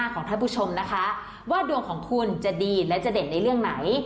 ของท่านผู้ชมนะคะว่าดวงของคุณจะดีและจะเด่นในเรื่องไหน